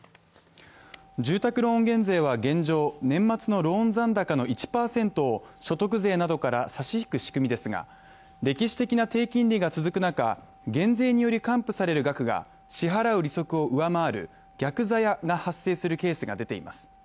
住宅ローン減税は現状年末のローン残高の１％を所得税などから差し引く仕組みですが歴史的な低金利が続く中、減税により還付される額が支払う利息を上回る逆ざやが発生するケースが出ています。